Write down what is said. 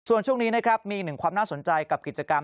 ส่วนช่วงนี้นะครับมีอีกหนึ่งความน่าสนใจกับกิจกรรม